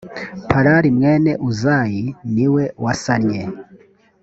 palali mwene uzayi ni we wasannye